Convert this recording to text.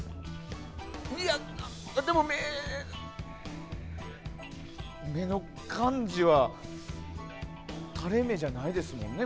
いや、でも目の感じは垂れ目じゃないですもんね